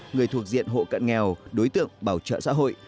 người thuộc diện hộ cận nghèo đối tượng bảo trợ xã hội